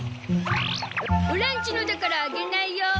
オラんちのだからあげないよ。